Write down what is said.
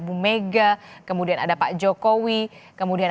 bu mega kemudian ada pak jokowi kemudian